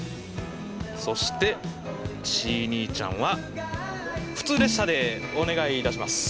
そしてチイ兄ちゃんは普通列車でお願いいたします。